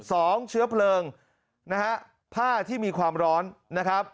เชื้อเพลิงนะฮะผ้าที่มีความร้อนนะครับ